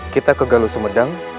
kita ke galus medang